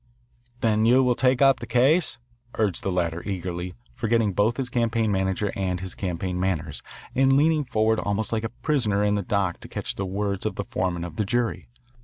"Then you will take up the case?" urged the latter eagerly, forgetting both his campaign manager and his campaign manners, and leaning forward almost like a prisoner in the dock to catch the words of the foreman of the jury.